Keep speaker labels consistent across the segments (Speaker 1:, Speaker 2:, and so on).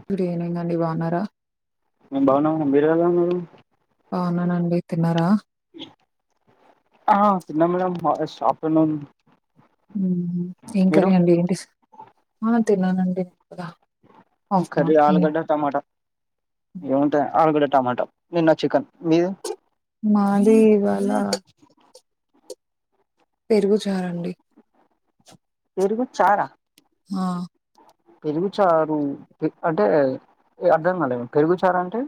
Speaker 1: ఇప్పుడే నే గండి బన్నారా
Speaker 2: మేం బాగున్నాంమండి మీరెలా ఉన్నారు
Speaker 1: అవునానండి తిన్నారా
Speaker 2: ఆ తిన్న మేడమ్ ఆ షాప్
Speaker 1: హ్మ్. ఏం
Speaker 2: మీరు
Speaker 1: కర్రీ అండి? ఏంటి స్ ఆ తిన్నానండి కూడా
Speaker 2: కర్రి
Speaker 1: ఆఫ్టర్నూన్.
Speaker 2: ఆలుగడ్డ టమాటా
Speaker 1: హ్మ్.
Speaker 2: ఏముంటాయి ఆలగడ్డ టమాటా నిన్న చికెన్ మీది
Speaker 1: మాది ఇవాళ పెరుగు చారండి
Speaker 2: పెరుగు చారా
Speaker 1: ఆ
Speaker 2: పెరుగు చారు అంటే ఏ అర్ధం కాలేదు పెరుగుచార అంటే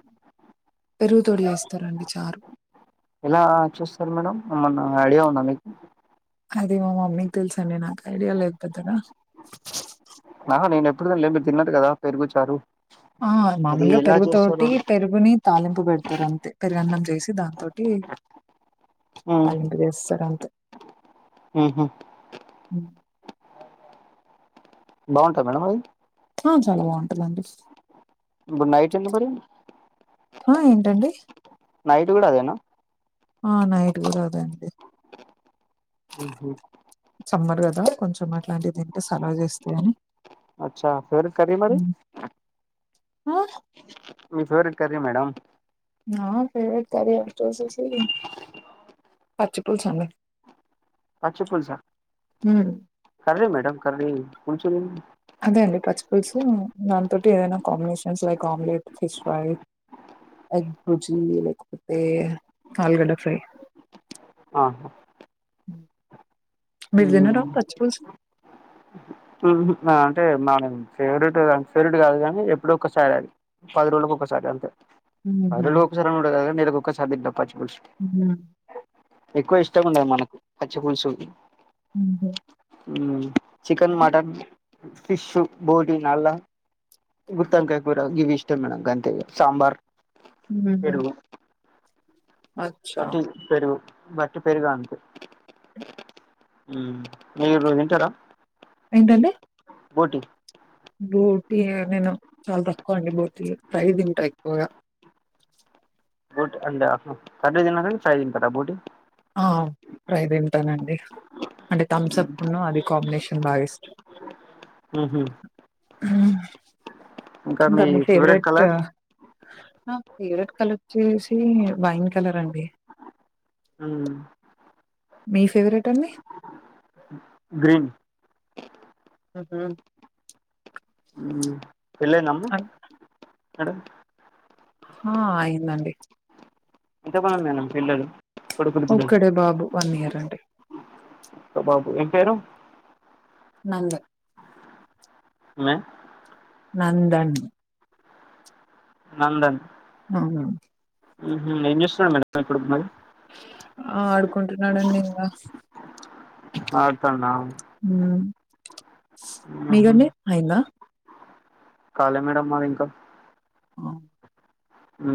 Speaker 1: పెరుగుతోటి చేస్తారండి చారు.
Speaker 2: ఇలా చూస్తారు మేడం ఏమైనా ఐడియా ఉంద మీకు
Speaker 1: అదే మా మమ్మీకి మీకు తెలుసండి నాకు ఐడియా లేదు పెద్దగా
Speaker 2: ఇప్పుడు దకా లేంది మీరు తిన్న కదా పెరుగు చారు
Speaker 1: ఆ
Speaker 2: అది
Speaker 1: మామూలుగా
Speaker 2: ఎలా చేస్తారు
Speaker 1: పెరుగుతోటి పెరుగుని తాలింపు పెడు తరంతే పెరిగన్నం చేసి దాంతోటి తాలింపు వేస్తారా
Speaker 2: హ్ హ్
Speaker 1: హ్మ్.
Speaker 2: బాగుంటాదా మేడం అది
Speaker 1: ఆ చాలా బాగుంటదండి
Speaker 2: ఇప్పుడు నైట్ ఏంది మరి
Speaker 1: ఆ ఏంటండి
Speaker 2: నైట్ కూడా అదేనా
Speaker 1: ఆ నైట్ కూడా అదే అండి
Speaker 2: హ్ హు
Speaker 1: సమ్మర్ కదా కొంచెం అట్లాంటివి తింటే సలవు చేస్తాయి అని
Speaker 2: అచ్చ ఫేవరెట్ కర్రీ మరి
Speaker 1: హ
Speaker 2: మీ ఫేవరెట్ కర్రీ మేడం
Speaker 1: ఆ ఫేవరెట్ కర్రి వచ్చే చేసి సి పచిపులుసు అండి
Speaker 2: పచ్చిపుల్సా
Speaker 1: హ్మ్
Speaker 2: కర్రి మేడమ్ కర్రి కొంచెము
Speaker 1: అదే అండి పచ్చి పులుసు దానీతోటి ఏదైనా combinations like omelette, fish fry, egg bhurji లేకపోతే ఆలుగడ్డ ఫ్రై
Speaker 2: ఆహా
Speaker 1: మీరు తినరా పచ్చిపూల్స్
Speaker 2: హ్ హ్ అంటే మనం ఫేవరెట్ ఫేవరెట్ కాదు గాని ఎప్పుడో ఒక్కసారి అది పది రోజులకి ఒక్కసారి అంతే
Speaker 1: ఊహూ
Speaker 2: పది లో ఒక సారి కాదు గాని నెకొక్క క్కసారి పచ్చిపులుసు
Speaker 1: ఊహూ
Speaker 2: ఎక్కువ ఇష్టం ఉండదు మనకు పచ్చిపుల్సు
Speaker 1: ఉండే
Speaker 2: ఉ చికెన్ మటన్ ఫిష్ బోటీ నల్ల గుత్తంకాయ కురా గివీష్ మేడం గంతే ఇగ సాంబార్
Speaker 1: హ హా
Speaker 2: ఒకటి పెరుగు వట్టి పెరుగు అంతే ఉ మీరు తింటారా
Speaker 1: ఏంటండి
Speaker 2: బోటి
Speaker 1: బోటీ నేను చాలా తక్కువ అండి బోటీ ప్రై తింటా ఎక్కువగా
Speaker 2: బోట్ అండ్ ఆహా కర్రీ తినరు కానీ ఫ్రై తింటారా బోటి
Speaker 1: ఆ ఫ్రై తింటానండి అంటే థమ్సప్ ఉన్నో అది కాంబినేషన్ బాగా ఇష్టం
Speaker 2: ఉహు
Speaker 1: ఉమ్
Speaker 2: ఇంకా మీ ఫేవరెట్ కలర్
Speaker 1: నా ఫేవరెట్ కలరోచ్చేసి, వైన్ కలర్ అండి
Speaker 2: ఉమ్
Speaker 1: మీ ఫేవరెట్ అండి
Speaker 2: గ్రీన్
Speaker 1: మ్మ్ హ్మ్
Speaker 2: వెళ్లి నమ్మ మేడం
Speaker 1: ఆ అయిందండి
Speaker 2: ఎంతమంది మేడం పిల్లలు కొడుకులు బిడ్డలు
Speaker 1: ఒక్కడే బాబు వన్ ఇయర్ అం
Speaker 2: ఒక్క బాబు ఏం పేరు
Speaker 1: నంద్
Speaker 2: మే
Speaker 1: నందన్
Speaker 2: నందన్
Speaker 1: అవును
Speaker 2: మ్మ్ హ్మ్ ఏం చేస్సున్నాడు మేడమ్ ఇప్పుడు మరి
Speaker 1: ఆడుకుంటున్నాడండి ఇంగా
Speaker 2: ఆడుతండా
Speaker 1: హ్మ్
Speaker 2: ఊహూ
Speaker 1: మీగండి అయిందా
Speaker 2: కాలే మేడమ్ మాది ఇంకా
Speaker 1: అ
Speaker 2: ఉ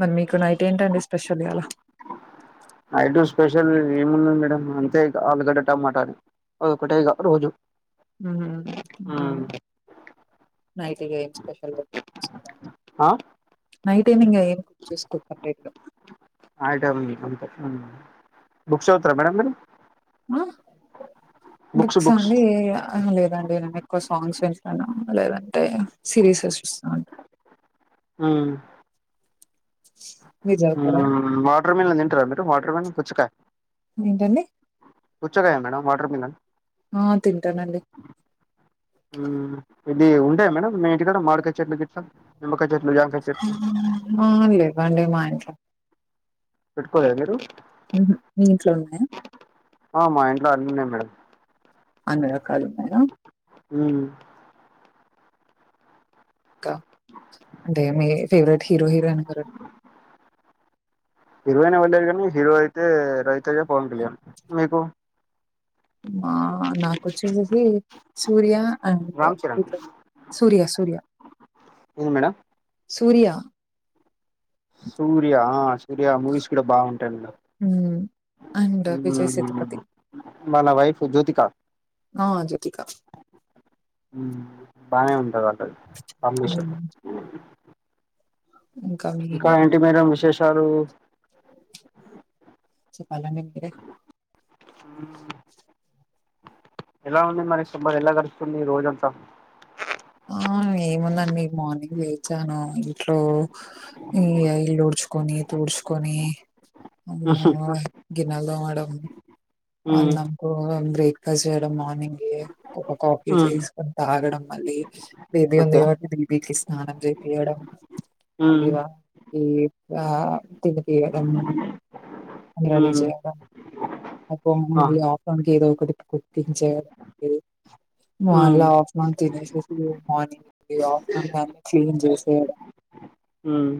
Speaker 1: మరి మీకు నైట్ ఏంటండి స్పెషల్ ఇయ్యాల
Speaker 2: నైటు స్పెషల్ ఏముంది మేడం అంతేగ ఆలుగడ్డ టమాటానే అదొకటె ఇగ రోజు.
Speaker 1: హ్మ్ మ్మ్ నైట్ ఏం స్పెషల్
Speaker 2: అ
Speaker 1: నైట్ ఏం ఇంగా ఏం చేసుకొం సపరేట్
Speaker 2: ఆట అంత బుక్స్ చవుతుర మేడం మీరు
Speaker 1: గా బుక్స్ అండి అ లేదండి ఎక్కువ సాంగ్స్ వింటాను లేదంటే సిరీసెస్ చూస్తా
Speaker 2: ఆ
Speaker 1: మీజాతరా
Speaker 2: వాటర్ మీన్ తింటారా మీరు వాటర్ మీన్ పుచ్చుకాయ
Speaker 1: ఏంటండి
Speaker 2: మేడం వాటర్ మిలన్
Speaker 1: ఆ తింటానండి
Speaker 2: మ్మ్ ఇది ఉంటాయా మేడం మీ ఇంటికాడ మాడికాయ చెట్లు గిట్ట నిమ్మకాయ చెట్టు
Speaker 1: హ అ మ అన్లే వన్ డే మా ఇంట్ల
Speaker 2: పెట్టుకోలే మీరు
Speaker 1: మీరు మీంట్లో ఉన్నయా
Speaker 2: ఆ మా ఇంట్లో అన్నున్నయి మేడం
Speaker 1: అన్నీ రకాలు ఉన్నాయా
Speaker 2: ఉ
Speaker 1: ఇంకా అంటే మీ ఫేవరెట్ హీరో హీరోయిన్ గారండి
Speaker 2: హీరోయిన్ ఎవ్వర్ లేరు కానీ హీరో అయితే రవితేజ పవన్ కళ్యాణ్ మీకు
Speaker 1: మా నాకొచ్చేసేసి సూర్య అంతే
Speaker 2: రామ్ చరణ్
Speaker 1: విజయ్ సూర్య సూర్య
Speaker 2: ఏంది మేడం
Speaker 1: సూర్య
Speaker 2: సూర్య ఆ సూర్య మూవీస్ కూడా బాగు
Speaker 1: ఉమ్ అండ్ విజయ్ సేతుపతి
Speaker 2: వాళ్ళ వైఫ్ జ్యోతిక
Speaker 1: ఆ జ్యోతిక
Speaker 2: ఉ బానే ఉంటాది వాల్
Speaker 1: అ
Speaker 2: ఇంకా ఏంటి మేడం విశేష్ టారూ
Speaker 1: చే అలానేంలే
Speaker 2: మ్మ్ ఎలా ఉంది మరి సమ్మర్ ఎలా గడుస్తుంది రోజంతా
Speaker 1: ఆ ఏముందండి మార్నింగ్ లేచాను ఇంట్లో ఈ ఇల్లు ఉడ్చుకొనీ తుడ్చుకొనీ
Speaker 2: మ్మ్
Speaker 1: అమ్మె గిన్నలు తోమడం అవును
Speaker 2: హ్మ్
Speaker 1: అన్నం కూర బ్రేక్ కాజేయడం మార్నింగే ఒక కాఫీ
Speaker 2: మ్మ్
Speaker 1: చేసుకొని తాగడం మళ్ళీ బేబీ ఉంది
Speaker 2: ఓకే
Speaker 1: కాబట్టి బేబీకి స్నానం చేపియడం
Speaker 2: మ్మ్
Speaker 1: మళ్ళిగా ఈ ఆ
Speaker 2: హ్మ్ ఆ
Speaker 1: [unintelligible] ఒకటి కుకింగ్ చే
Speaker 2: హ్మ్
Speaker 1: మలా అఫమా తిన [unintelligible] మార్నింగ్ ఈ ఆఫ్టర్నూన్ లంచ్ చేంజ్ చేసేయాలి
Speaker 2: ఉహ్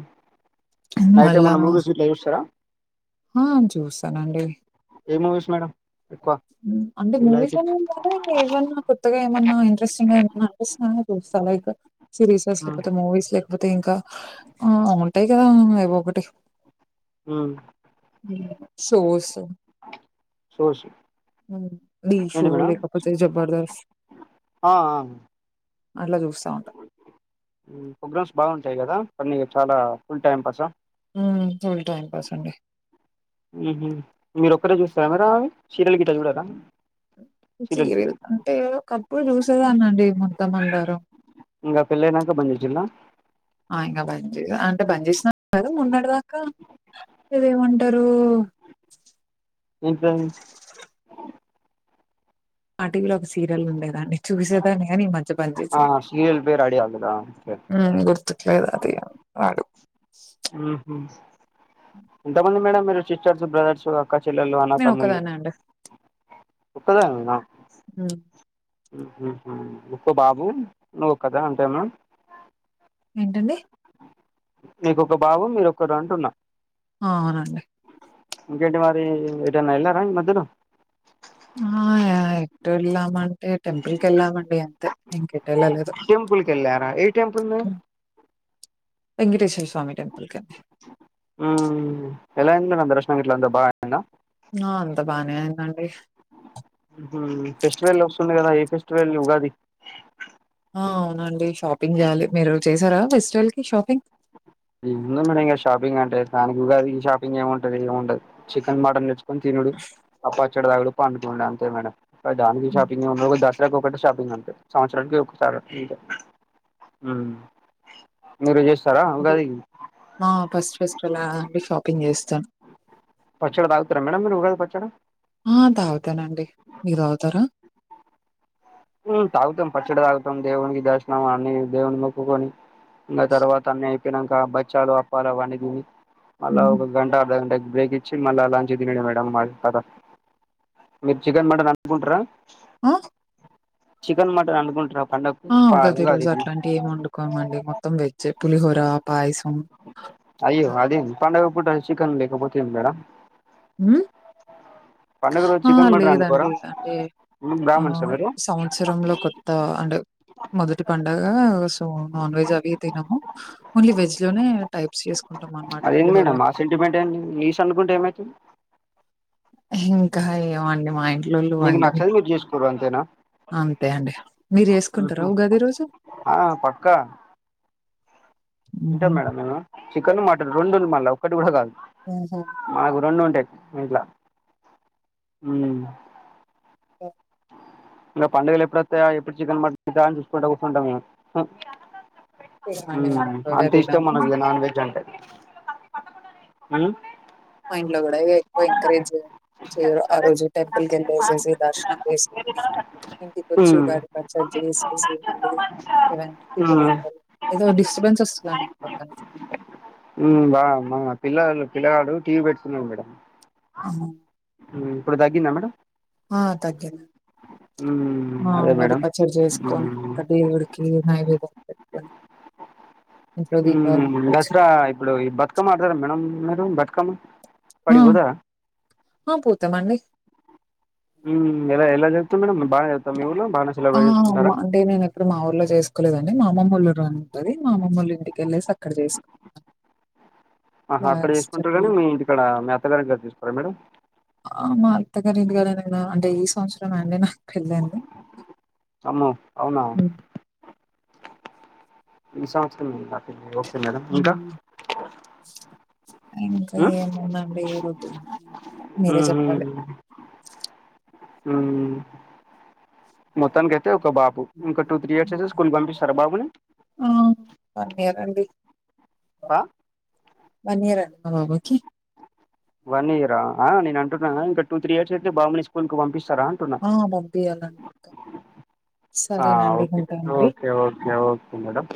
Speaker 2: నైట్
Speaker 1: మళ్ళా
Speaker 2: ఏమన్నా మూవీస్ గిట్లా చూస్తారా
Speaker 1: ఆ చూస్తానండి
Speaker 2: ఏ మూవీస్ మేడం ఎక్కువ
Speaker 1: అంటే
Speaker 2: యూ లైక్
Speaker 1: మూవీస్
Speaker 2: ఇట్
Speaker 1: అనీ ఏం కాదు ఏవన్నా కొత్తగా ఏమన్నా ఇంట్రెస్టింగ్గా ఏమన్నా ఆ చూస్తానే చూస్తాలేక సిరీసా
Speaker 2: హ్మ్
Speaker 1: లేపోతే మూవీస్ లే కాకపోతే ఇంకా ఆ ఉంటాయి కదా ఎవో ఒకటి
Speaker 2: అ
Speaker 1: సూవుసు
Speaker 2: షోస్
Speaker 1: అది
Speaker 2: ఏంటి
Speaker 1: షో
Speaker 2: మేడం
Speaker 1: లేఖపోతే జబర్దస్త్
Speaker 2: ఆ ఆ
Speaker 1: అట్ల చూస్తా ఉంటా
Speaker 2: ప్రోగ్రామ్స్ బాగుంటాయి కదా స నీకు చాలా ఫుల్ టైమ్ పాసా
Speaker 1: హ ఫుల్ టైం పాస్ అండి
Speaker 2: ఊహు మీరు ఒక్కరే చూస్తారా సీరియల్ గిట్లా చూడరా సీరియల్
Speaker 1: ఒకప్పుడు చూసేదాన్ని అండి ముద్దమందారం
Speaker 2: ఇంకా పిల్లైనాక బందించిండా
Speaker 1: ఆ ఇంకా మంచిగా అంటే బంద్ చేసినా అని కాదు మొన్నటి దాకా ఇదేమంటారు
Speaker 2: ఇంట్లో
Speaker 1: మా టీవీలో ఒక సీరియల్ ఉండేదాన్ని చూసేదాన్ని కానీ ఈ మధ్య బంద్ చేసా.
Speaker 2: ఆ సీరాయల్ పేరు ఐడియా రాలేదా
Speaker 1: అద ఆడు
Speaker 2: ఉహు ఎంత మంది మేడం మీరు సిస్టర్స్ బ్రదర్స్ అక్క చెల్లెళ్లు అన్న
Speaker 1: నేను
Speaker 2: తమ్ములు
Speaker 1: ఒక్కదాన్నే అండి.
Speaker 2: ఒక్కదానివేనా
Speaker 1: అ
Speaker 2: ఉహు ఒక్క బాబు నువ్వు ఒక్కతి అంతేనా
Speaker 1: ఏంటండి
Speaker 2: మీకు ఒక బాబు మీరోక్కరు అంటున్నా
Speaker 1: ఆ అవునండి
Speaker 2: ఇంకేంటి మరి ఎటన్నా ఎల్లారా ఇ మధ్యన
Speaker 1: ఆ ఎక్కడ వెళ్ళామంటే టెంపుల్ కెళ్ళామండి అంతే ఇంకె
Speaker 2: టెంపుల్ కెళ్ళారా ఏ టెంపుల్ ను
Speaker 1: హ్మ్. వెంకటేశ్వర స్వామి టెంపుల్ కండి
Speaker 2: ఉమ్ ఎలా అయ్యింది దర్శనం గిట్ల అంత బా
Speaker 1: నో అంత బానే ఉందండి
Speaker 2: టువల్ వస్తుంది కదా ఏ ఫెస్టివల్ ఉగాది
Speaker 1: ఆ అవునండి షాపింగ్ చేయాలి మీరు చేసారా ఫెస్టివల్ కి షాపింగ్
Speaker 2: ఏముందని మేడం ఇంక షాపింగ్ అంటే దానికి ఉగాదికి షాపింగ్ ఏమి ఉంటది ఏం ఉండదు చికెన్ మటన్ తెచ్చు కొని తినుడు ఆ పచ్చడి తాగుడు పండుకుండు అంతే మేడమ్ దానికి
Speaker 1: హ్మ్.
Speaker 2: షాపింగ్ ఉండుడు నెలకు ఒకటి షాపింగ్ అంతే సంవత్సరానికి ఒకసారి అంతే ఉమ్ మీరు చేస్ తరా ఉగాది
Speaker 1: మా ఫస్ట్ ఫెస్టివల్ అండి షాపింగ్ చేస్తాను
Speaker 2: పచ్చడి తాగుతారా మేడం ఉగాది పచ్చడి
Speaker 1: ఆ తాగుతానండి మీరు తాగుతారా
Speaker 2: ఉ తాగుతం పచ్చడి తాగుతం దేవుణ్ణి దర్శనం అన్ని దేవుణ్ణి మక్కుకొని ఇంగ తర్వాత అన్నీ అయ్యి నంకా బచ్చాలు అప్పాలు అవ్వన్ని తిని మళ్ళ
Speaker 1: హ్మ్.
Speaker 2: ఒక గంట అర్ద గంట బ్రేక్ ఇచ్చి మళ్ళ లంచ్ తినుడే మేడం మా కద మీరు చికెన్ మటన్ అనుకుంటరా
Speaker 1: అ
Speaker 2: చికెన్ మటన్ అనుకుంటరా పండక్కు
Speaker 1: ఆ
Speaker 2: పా
Speaker 1: గది రోజు
Speaker 2: ఉగాదికి
Speaker 1: అట్లాంటివి ఏం వండుకోమండి మొత్తం వెజ్ పులిహోర పాయసం
Speaker 2: ఒకపూట చికన్ లేకపోతే ఏం మేడం
Speaker 1: ఉమ్
Speaker 2: పండగ రోజు చికెన్ మటన్ వండుకోరా
Speaker 1: అంటే
Speaker 2: బ్రామ్హిన్స్
Speaker 1: ఆహ్, సంవత్సరంలో కొత్త అంటే మొదటి పండగ సో నాన్వెజ్ అవి తినము ఓన్లీ వెజ్ లోనే టైప్స్ చేసుకుంటాం అన్నమాట
Speaker 2: అదేంది
Speaker 1: పులిహోర
Speaker 2: మేడం ఆ సెంటిమెంట్ ఏంది నీస్ అనుకుంటే ఏమైతది
Speaker 1: ఇంకా ఏమండి మా ఇంటి
Speaker 2: మీకు నచ్చది మీరు చేసుకోరు అంతేనా
Speaker 1: అంతే అండి. మీరు చేసుకుంటారా ఉగాది రోజు?
Speaker 2: ఆ హ్ పక్కా
Speaker 1: హుహు.
Speaker 2: తింటాం మేడం మేము చికెన్ మటన్ రెండున్ మా ఒకటి కూడా కాదు
Speaker 1: హుహు.
Speaker 2: మాకు రెండు ఉంటాయి ఇంట్ల హ
Speaker 1: ఓకే.
Speaker 2: ఇంకా పండుగలు ఎప్పుడస్తాయా ఎప్పుడు చికెన్ మటన్ తెత్తరా అని చూసుకుంటా కూసుంటాం మేము
Speaker 1: తినమండి మేము ఎక్కువగా
Speaker 2: అంత ఇష్టం
Speaker 1: తినము.
Speaker 2: మనకు ఇగ నాన్ వెజ్ అంటే అ
Speaker 1: మా ఇంట్లో కూడా ఎక్కువ ఎంకరేజ్ చేయరు ఆ రోజు టెంపుల్ కి వెళ్ళేేసేసి దర్శనం చేసుకుొని ఇంటిక వచ్చి
Speaker 2: మ్మ్
Speaker 1: ఉగాది పచ్చడి చేసేసి మళ్ళీ ఎవైన పిండి
Speaker 2: మ్మ్
Speaker 1: వంటలు ఏదో డిస్టర్బెన్స్ వస్తుందండి. పక్కన
Speaker 2: ఉ మా మా పిల్లలు పిల్లగాడు టీవీ పెట్టుకున్నాడు మేడం
Speaker 1: అవునా
Speaker 2: ఇప్పుడు తగ్గిందా మేడం
Speaker 1: ఆ తగ్గింది
Speaker 2: మ్మ్
Speaker 1: ఆ
Speaker 2: అదే
Speaker 1: అది
Speaker 2: మేడం
Speaker 1: పచ్చడి చేసుకొని
Speaker 2: మ్మ్
Speaker 1: ఇంకా దేవుడికి నైవేద్యం పె కొని
Speaker 2: ఉ దసరా ఇప్పుడు బతుకమ్మ ఆడతారా కదా మేడమ్ మేడం బతుకమ్మ
Speaker 1: ఆ
Speaker 2: కాడికి పోతారా
Speaker 1: ఆ పోతమండి
Speaker 2: ఉ ఎలా ఎలా జ
Speaker 1: ఆ
Speaker 2: చేసుకుంటారా
Speaker 1: మా అంటే నేను ఎప్పుడు మా ఊర్లో చేసుకోలేదండి మా అమ్మమ్మోళ్ళ ది మా అమ్మమ్మోల్లా ఇంటికెళ్లేసి అక్కడ చేసుకుంట
Speaker 2: ఆహా అక్కడ చేసుకుంటరు గానీ మీ ఇంటి కాడ మీ అత్త గారింటికాడ చేసుకోరా మేడం
Speaker 1: ఆ మా అత్తగారు ఇంటి కద అంటే ఈ సంవత్సరం అండి నాకు పెళ్లయింది
Speaker 2: అమ్మో అవునా ఈ సంవత్సరామా మీ పెళ్లై చిన్నద ఇంకా
Speaker 1: హ్మ్. ఇంకా
Speaker 2: ఉమ్
Speaker 1: ఏమన్నాయండి రొటీన్ మీరే చెప్పాలి
Speaker 2: ఉ మొత్తానికయితే అయితే ఒక బాబు ఇంకా టూ త్రీ ఇయర్స్ అయితే స్కూల్ కి పంపిస్తార బాబుని
Speaker 1: రండి
Speaker 2: ఆ
Speaker 1: వన్ ఇయర్ అండి మా బాబుకి
Speaker 2: వన్ ఇయరా ఆ నేను అంటున్నా ఇంకా టూ త్రీ ఇయర్స్ అయితే బాబు ని స్కూల్ క పంపిస్తా స్తారా అంటున్నా
Speaker 1: ఆ పంపియాలండి
Speaker 2: ఆ
Speaker 1: సరేనండి
Speaker 2: ఓకే
Speaker 1: ఉంటా మరి
Speaker 2: ఓకే ఓకే ఓకే మేడం